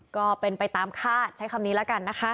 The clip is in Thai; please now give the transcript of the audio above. ก็เป็นไปตามคาดใช้คำนี้แล้วกันนะคะ